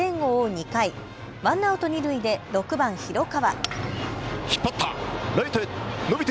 ２回ワンアウト二塁で６番・広川。